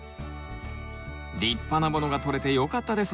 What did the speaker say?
立派なものがとれてよかったですね